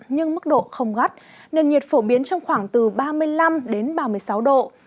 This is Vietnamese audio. nhưng mức độ không gắt nền nhiệt phổ biến trong khoảng từ ba mươi năm đến ba mươi sáu độ